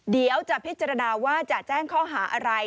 เดี๋ยวจะพิจารณาว่าจะแจ้งข้อหาอะไร